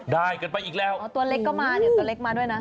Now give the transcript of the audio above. ได้กันไปอีกแล้วอ๋อตัวเล็กก็มาเนี่ยตัวเล็กมาด้วยนะ